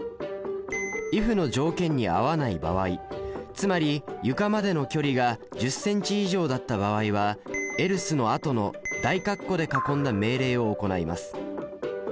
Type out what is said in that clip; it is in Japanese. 「ｉｆ」の条件に合わない場合つまり床までの距離が１０ｃｍ以上だった場合は「ｅｌｓｅ」のあとの大括弧で囲んだ命令を行います。